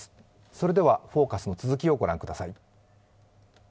それでは「ＦＯＣＵＳ」の続きをご覧ください。